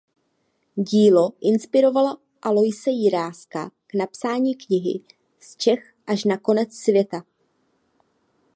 Dílo inspirovalo Aloise Jiráska k napsání knihy „"Z Čech až na konec světa"“.